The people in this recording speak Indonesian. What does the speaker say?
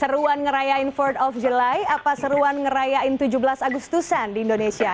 seruan ngerayain empat th of july apa seruan ngerayain tujuh belas agustusan di indonesia